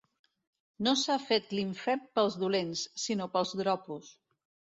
No s'ha fet l'infern pels dolents, sinó pels dropos.